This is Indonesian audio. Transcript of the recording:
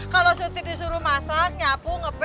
kalau surti disuruh masak nyapu ngepel